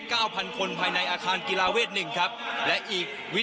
รายงานสดของพักอนาคตใหม่ครับผู้สื่อข่าวไทยรัตน์ทีวี